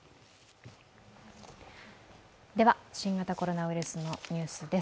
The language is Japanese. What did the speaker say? では新型コロナウイルスのニュースです。